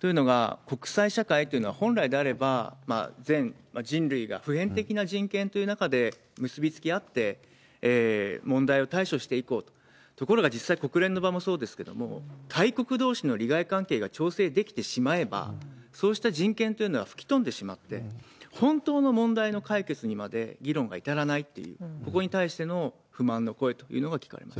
というのが、国際社会というのは、本来であれば、全人類が普遍的な人権という中で結び付き合って、問題を対処していこう、ところが実際、国連の場もそうですけれども、大国どうしの利害関係が調整できてしまえば、そうした人権というのは吹き飛んでしまって、本当の問題の解決にまで議論が至らないっていう、ここに対しての不満の声というのが聞かれました。